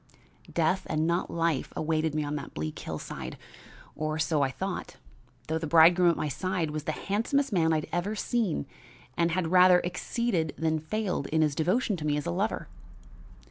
Death and not life awaited me on that bleak hillside, or so I thought, though the bridegroom at my side was the handsomest man I had ever seen and had rather exceeded than failed in his devotion to me as a lover.